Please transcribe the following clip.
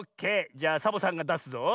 じゃサボさんがだすぞ。